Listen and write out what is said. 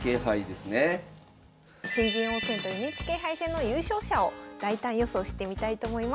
新人王戦とＮＨＫ杯戦の優勝者を大胆予想してみたいと思います。